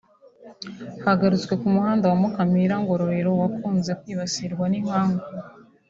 Hagarutswe ku muhanda wa Mukamira-Ngororero wakunze kwibasirwa n’inkangu